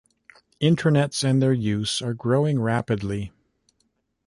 Intranets and their use are growing rapidly.